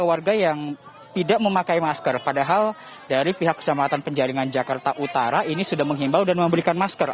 warga yang tidak memakai masker padahal dari pihak kecamatan penjaringan jakarta utara ini sudah menghimbau dan memberikan masker